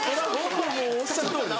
おっしゃるとおりです。